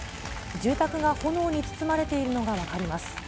住宅が炎に包まれているのが分かります。